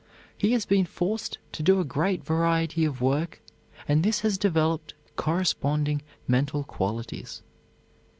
He has been forced to do a great variety of work and this has developed corresponding mental qualities.